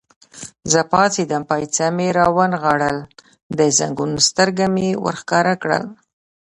زه پاڅېدم، پایڅه مې را ونغاړل، د زنګون سترګه مې ور ښکاره کړل.